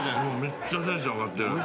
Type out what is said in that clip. めっちゃテンション上がってる。